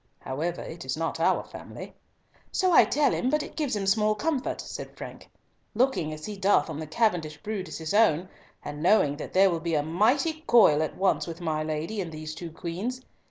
"However it is not our family." "So I tell him, but it gives him small comfort," said Frank, "looking as he doth on the Cavendish brood as his own, and knowing that there will be a mighty coil at once with my lady and these two queens.